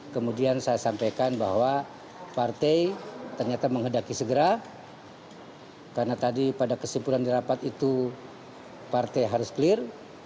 kemudian saya sampaikan bahwa partai ternyata menghendaki segera karena tadi pada kesimpulan di rapat itu partai harus clear